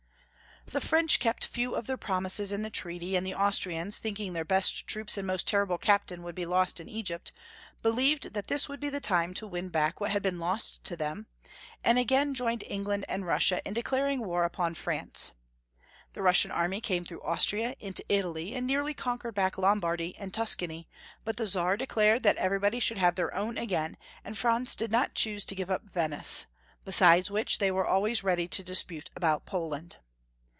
The French kept few of their promises in the treaty, and the Austrians, thinking their best troops and most terrible captain would be lost in Egypt, believed that this would be the time to win back Franz IL 433 what had been lost to them, and again joined Eng land and Russia in declaring war upon France. The Russian army came tlirough Austria into Italy, and nearly conquered back Lombardy and Tuscany, •but the Czar declared that everybody should have their own again, and Franz did not choose to give up Venice, besides which they were always ready to dispute about Poland.